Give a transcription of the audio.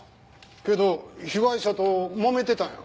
けど被害者と揉めてたんやろ？